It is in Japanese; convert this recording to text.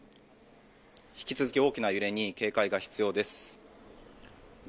引き続き大きな揺れに警戒が必要です。